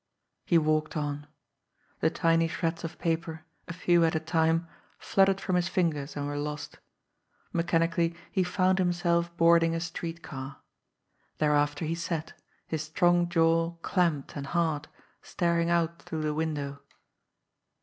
He walked on. The tiny shreds of paper, a few at a time, fluttered from his fingers and were lost. Mechanically he found himself boarding a street car. Thereafter he sat, his strong jaw clamped and hard, staring out through the window.